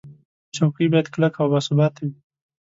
چوکۍ باید کلکه او باثباته وي.